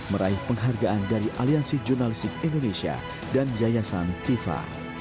meraih penghargaan dari aliansi jurnalistik indonesia dan yayasan fifa